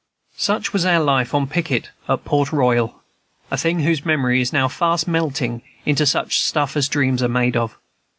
Such was our life on picket at Port Royal, a thing whose memory is now fast melting into such stuff as dreams are made of.